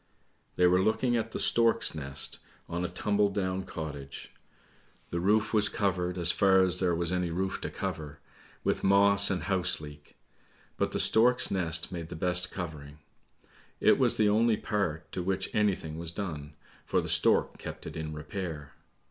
They were looking at a stork's nest on a tumbledown cottage; the roof was 1 84 ANDERSEN'S FAIRY TALES covered, as far as there was any roof to cover, with moss and house leek; but the stork's nest made the best covering. It was the only part to which anything was done, for the stork kept it in repair.